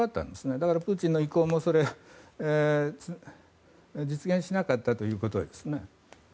だから、プーチンの意向は実現しなかったということですね。